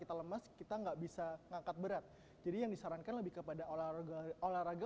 kita lemas kita nggak bisa ngangkat berat jadi yang disarankan lebih kepada olahraga olahraga